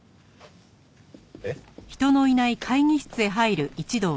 えっ？